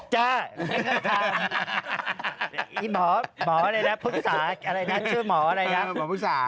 จ้าไม่เคยทำอีหมอหมออะไรนะพุทธศาสตร์อะไรนะชื่อหมออะไรนะ